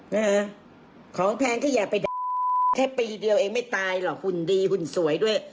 นะฮะของแพงก็อย่าไปได้แค่ปีเดียวเองไม่ตายหรอกหุ่นดีหุ่นสวยด้วย